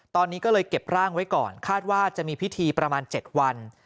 ตอนนี้ก็เลยเก็บร่างไว้ก่อนคาดว่าจะมีพิธีประมาณ๗วัน